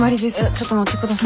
ちょっと待って下さい。